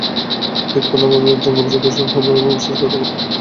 ঠিক করলাম, আমি একজন গবেষক হব, বিশেষ করে প্রাকৃতিক পরিবেশ বিপর্যয় নিয়ে।